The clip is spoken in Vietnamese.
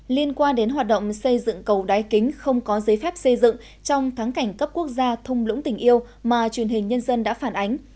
liên quan đến hoạt động xây dựng cầu đáy kính không có giấy phép xây dựng trong tháng cảnh cấp quốc gia thung lũng tình yêu mà truyền hình nhân dân đã phản ánh